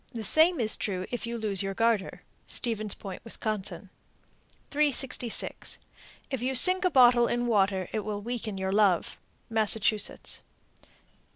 The same is true if you lose your garter. Stevens Point, Wis. 366. If you sink a bottle in water, it will weaken your love. _Massachusetts.